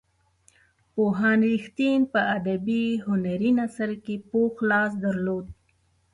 پوهاند رښتین په ادبي هنري نثر کې پوخ لاس درلود.